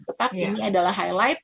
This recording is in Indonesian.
tetap ini adalah highlight